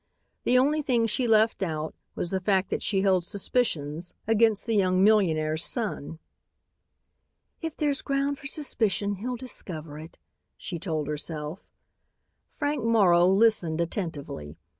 The only thing she left out was the fact that she held suspicions against the young millionaire's son. "If there's ground for suspicion, he'll discover it," she told herself. Frank Morrow listened attentively.